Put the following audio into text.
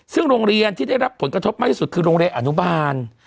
ซึ่งโรงเรียนที่ได้รับผลกระทบมากที่สุดคือโรงเรียนอนุบาล